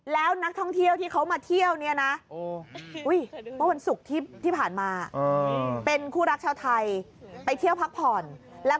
แล้วนักท่องเที่ยวที่เขามาเที่ยวนี่นะ